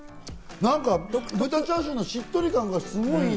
豚チャーシューのしっとり感がすごい、いいね。